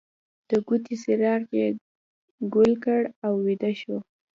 د کوټې څراغ یې ګل کړ او ویده شو